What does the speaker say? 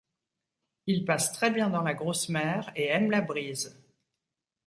Il passe très bien dans la grosse mer et aime la brise.